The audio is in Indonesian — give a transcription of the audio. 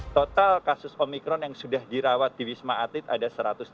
total kasus omikron yang sudah dirawat di wisma atlet ada satu ratus tiga puluh